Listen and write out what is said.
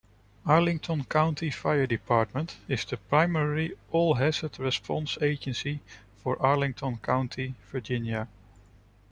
Arlington County Fire Department is the primary all-hazards response agency for Arlington County, Virginia.